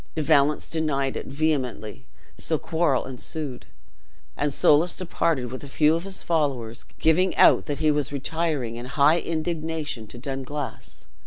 De Valence denied it vehemently so quarrel ensued, and Soulis departed with a few of his followers, giving out that he was retiring in high indignation to Dunglass.